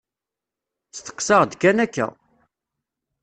Steqsaɣ-d kan akka.